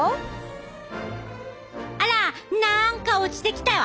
あらなんか落ちてきたわ！